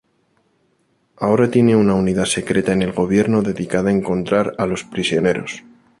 Ahora tiene una unidad secreta en el gobierno dedicada a encontrar a los prisioneros.